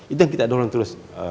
itu yang kita dorong terus